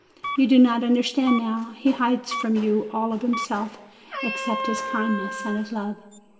You do not under stand now; he hides from you all of himself, except his kindness and his love.